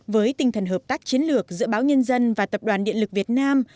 với tinh thần hợp tác chiến lược giữa báo nhân dân và tập đoàn điện lực việt nam